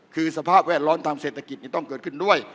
คือสภาพแวดล้อมทางเศรษฐกิจต้องเกิดขึ้นด้วย